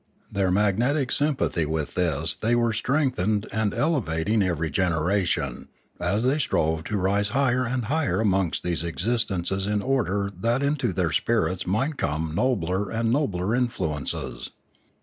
Their magnetic sympathy with this they were strength ening and elevating every generation, as they strove to rise higher and higher amongst these existences in order that into their spirits might come nobler and nobler influences.